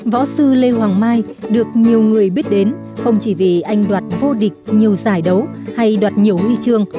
võ sư lê hoàng mai được nhiều người biết đến không chỉ vì anh đoạt vô địch nhiều giải đấu hay đoạt nhiều huy chương